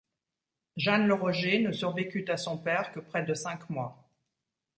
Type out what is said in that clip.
Jeanne le Roger ne survécut à son père que près de cinq mois.